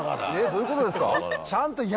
どういうことですか？